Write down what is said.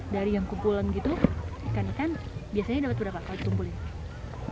dari yang kumpulan gitu ikan ikan biasanya dapat berapa kalau ditumpulin